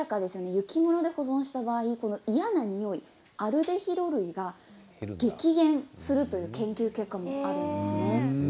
雪室で保存した場合嫌なにおい、アルデヒド類が激減するという研究結果もあるんです。